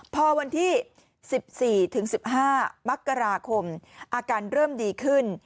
พอวันที่๑๔๑๕มคอาการเริ่มดีขึ้น